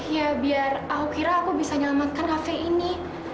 ya biar aku kira aku bisa nyelamatkan cafe ini